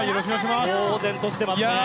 騒然としてますね。